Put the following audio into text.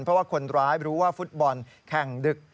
เพราะว่าคนร้ายรู้ว่าฟุตบอลแข่งดึก